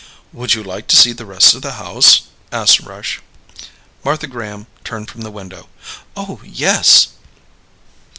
"Would you like to see the rest of the house?" asked Rush. Martha Graham turned from the window. "Oh, yes."